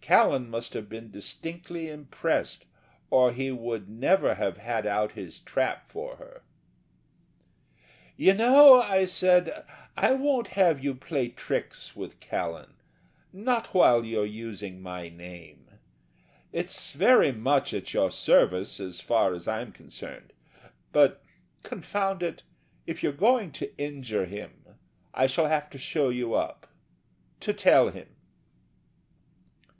Callan must have been distinctly impressed or he would never have had out his trap for her. "You know," I said to her, "I won't have you play tricks with Callan not while you're using my name. It's very much at your service as far as I'm concerned but, confound it, if you're going to injure him I shall have to show you up to tell him."